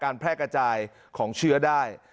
แพร่กระจายของเชื้อได้